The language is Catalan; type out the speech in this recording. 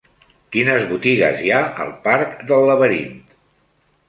Quines botigues hi ha al parc del Laberint?